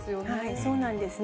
そうなんですね。